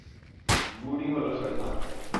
গুডই হল শয়তান!